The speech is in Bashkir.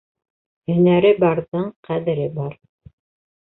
Һөнәре барҙың ҡәҙере бар.